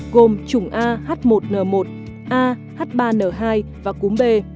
gồm chủng a h một n một a h ba n hai và cúm b